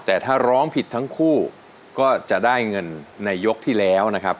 แต่ถ้าร้องผิดทั้งคู่ก็จะได้เงินในยกที่แล้วนะครับ